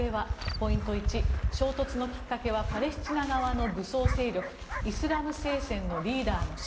ポイント１、衝突のきっかけはパレスチナ側の武装勢力イスラム聖戦のリーダーの死。